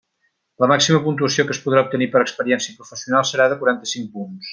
La màxima puntuació que es podrà obtenir per experiència professional serà de quaranta-cinc punts.